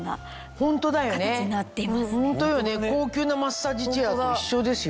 ホントだよねホントよね高級なマッサージチェアと一緒ですよ